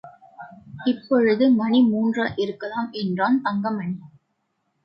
இப்பொழுது மணி மூன்றிருக்கலாம் என்றான் தங்கமணி.